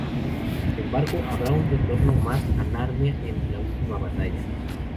Sin embargo, habrá un retorno más a Narnia en "La última batalla".